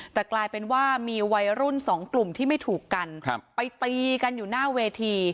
แต่กลายเป็นว่ามีวัยรุ่นสองกลุ่มที่ไม่ถูกกันไปตีกันอยู่หน้าเวที